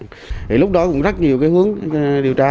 thì lúc đó cũng rất nhiều cái hướng điều tra